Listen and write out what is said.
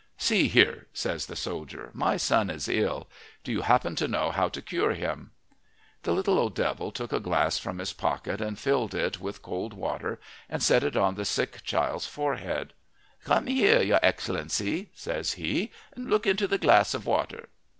"See here," says the soldier. "My son is ill. Do you happen to know how to cure him?" The little old devil took a glass from his pocket and filled it with cold water and set it on the sick child's forehead. "Come here, your Excellency," says he, "and look into the glass of water."